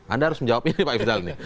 anda harus menjawab ini pak ifdal nih